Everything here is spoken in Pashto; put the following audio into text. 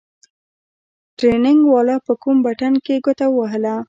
ټرېننگ والا په کوم بټن کښې گوته ووهله.